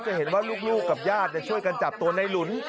จะเห็นว่าลูกกับญาติช่วยกันจับตัวในหลุน